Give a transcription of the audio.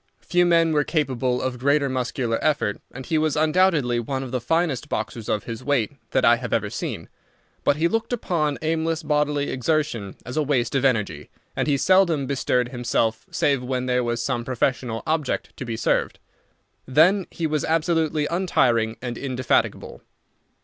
Few men were capable of greater muscular effort, and he was undoubtedly one of the finest boxers of his weight that I have ever seen; but he looked upon aimless bodily exertion as a waste of energy, and he seldom bestirred himself save when there was some professional object to be served. Then he was absolutely untiring and indefatigable.